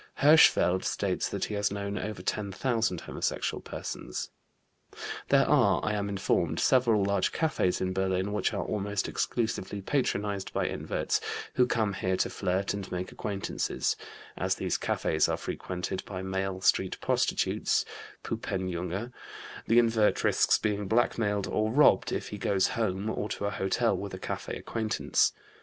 Hirschfeld states that he has known over 10,000 homosexual persons. There are, I am informed, several large cafés in Berlin which are almost exclusively patronized by inverts who come here to flirt and make acquaintances; as these cafés are frequented by male street prostitutes (Pupenjunge) the invert risks being blackmailed or robbed if he goes home or to a hotel with a café acquaintance.